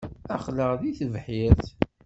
Aql-aɣ deg tebḥirt.